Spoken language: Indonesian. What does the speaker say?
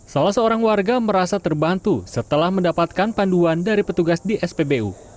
salah seorang warga merasa terbantu setelah mendapatkan panduan dari petugas di spbu